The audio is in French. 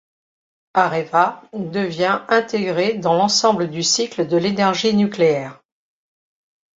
Areva devient intégré dans l'ensemble du cycle de l'énergie nucléaire.